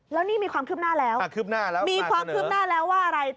แล้วนี่มีความคืบหน้าแล้วคืบหน้าแล้วมีความคืบหน้าแล้วว่าอะไร